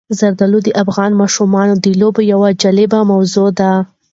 زردالو د افغان ماشومانو د لوبو یوه جالبه موضوع ده.